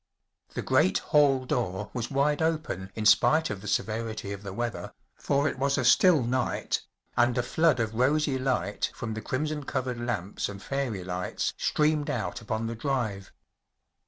The great hall door was wide open in spite of the severity of the weather, for it was a still night, and a flood of rosy light from the crimson covered lamps and fairy lights streamed out upon the drive.